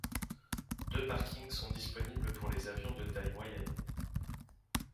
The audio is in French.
Deux parkings sont disponibles pour les avions de taille moyenne.